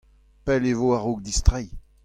pell e vo a-raok distreiñ .